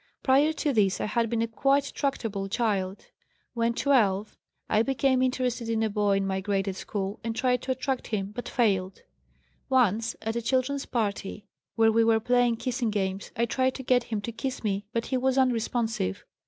Prior to this I had been a quite tractable child. When 12 I became interested in a boy in my grade at school, and tried to attract him, but failed. Once at a children's party where we were playing kissing games I tried to get him to kiss me, but he was unresponsive.